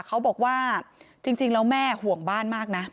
เขาบอกว่าจริงแล้วแม่ห่วงบ้านมากนะ